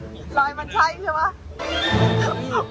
ขอมูล